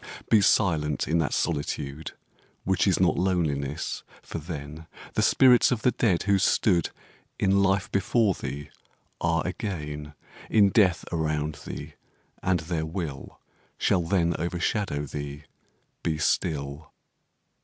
Be silent in that solitude Which is not loneliness for then The spirits of the dead who stood In life before thee are again In death around thee and their will Shall overshadow thee: be still.